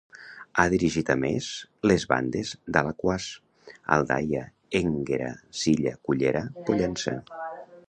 Ha dirigit a més, les Bandes d'Alaquàs, Aldaia, Énguera, Silla, Cullera, Pollença.